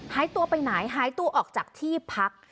หายตัวไปไหนหายตัวออกจากที่พัก